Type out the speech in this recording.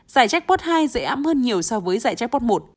giải jackpot hai dễ ấm hơn nhiều so với giải jackpot một